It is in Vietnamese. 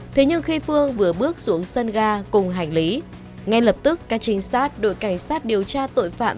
thế nhưng khi phương vừa bước xuống sân ga cùng hành lý ngay lập tức các trinh sát đội cảnh sát điều tra tội phạm